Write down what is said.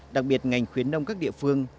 đặc biệt ngành khuyến nông các địa phương